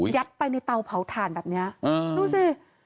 ไปในเตาเผาถ่านแบบนี้ดูสิ